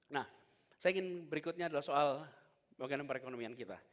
saya ingin berikutnya adalah soal bagian perekonomian kita